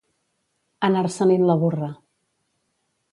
Anar-se-li'n la burra.